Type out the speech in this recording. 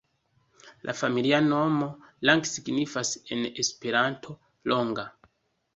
La familia nomo Lange signifas en en Esperanto ’’’longa’’’.